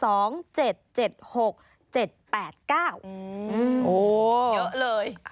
โอ้โหเยอะเลย